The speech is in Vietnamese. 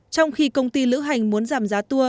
trong khi công ty lữ hành muốn giảm giá tour